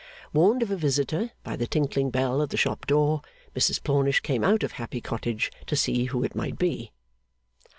Warned of a visitor by the tinkling bell at the shop door, Mrs Plornish came out of Happy Cottage to see who it might be.